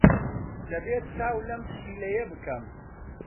دەبێت چاو لەم پشیلەیە بکەم.